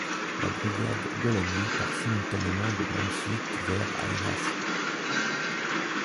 La brigade Golani part simultanément de Mamshit vers Ein Hasb.